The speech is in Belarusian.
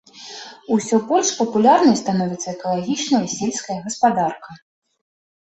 Усё больш папулярнай становіцца экалагічная сельская гаспадарка.